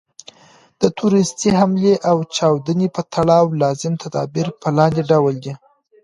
د تروریستي حملې او چاودني په تړاو لازم تدابیر په لاندي ډول دي.